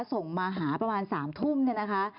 ส่งมาหาประมาณ๓ทุ่มเนี่ยนะคะ